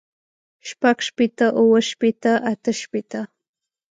شپږ شپېته اووه شپېته اتۀ شپېته